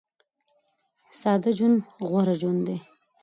ساده ژوند غوره ژوند دی.